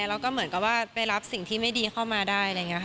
แล้วก็เหมือนกับว่าไปรับสิ่งที่ไม่ดีเข้ามาได้